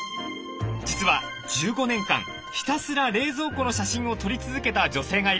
実は１５年間ひたすら冷蔵庫の写真を撮り続けた女性がいるんです。